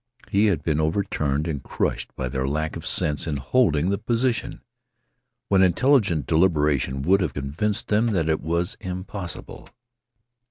He had been overturned and crushed by their lack of sense in holding the position, when intelligent deliberation would have convinced them that it was impossible.